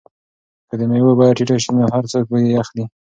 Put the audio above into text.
که د مېوو بیه ټیټه شي نو هر څوک یې اخلي.